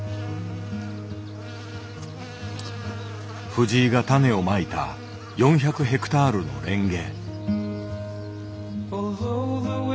藤井が種をまいた４００ヘクタールのレンゲ。